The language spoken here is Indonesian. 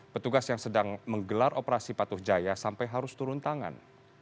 petugas yang sedang menggelar operasi patuh jaya sampai harus turun tangan